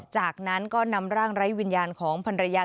จากนั้นก็นำร่างไร้วิญญาณของพันรยา